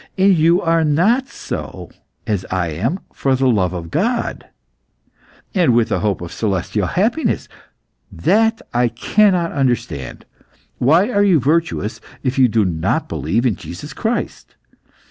And you are not so as I am for the love of God, and with a hope of celestial happiness! That I cannot understand. Why are you virtuous if you do not believe in Jesus Christ?